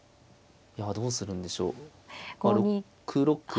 いやどうするんでしょう。